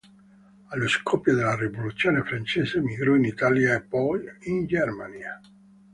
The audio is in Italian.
Allo scoppio della Rivoluzione francese emigrò in Italia e poi in Germania.